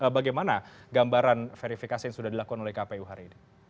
bagaimana gambaran verifikasi yang sudah dilakukan oleh kpu hari ini